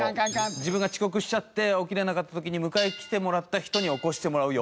自分が遅刻しちゃって起きれなかった時に迎えに来てもらった人に起こしてもらう用。